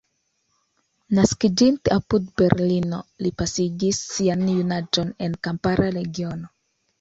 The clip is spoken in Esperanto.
Naskiĝinte apud Berlino, li pasigis sian junaĝon en kampara regiono.